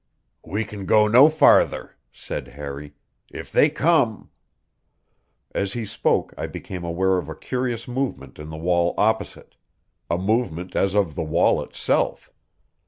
"We can go no farther," said Harry. "If they come " As he spoke I became aware of a curious movement in the wall opposite a movement as of the wall itself.